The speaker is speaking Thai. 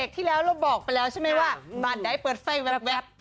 ที่แล้วเราบอกไปแล้วใช่ไหมว่าบ้านใดเปิดไฟแว๊บ